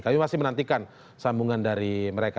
kami masih menantikan sambungan dari mereka